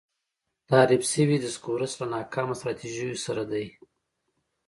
تحریف شوی دسکورس له ناکامه سټراټیژیو سره دی.